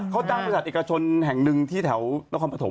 เขาจ้างบริษัทเอกชนแห่งนึงที่แถวต่อความประถม